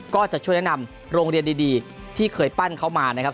ก็จะช่วยแนะนำโรงเรียนดีที่เคยปั้นเขามานะครับ